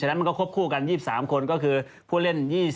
นั้นมันก็ควบคู่กัน๒๓คนก็คือผู้เล่น๒๐